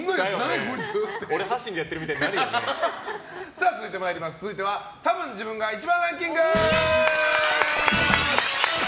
俺発信でやってるみたいに続いてはたぶん自分が１番ランキング！